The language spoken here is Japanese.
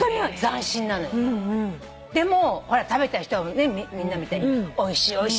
でもこれ食べた人はみんなみたいに「おいしいおいしい。